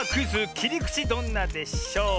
「きりくちどんなでショー」。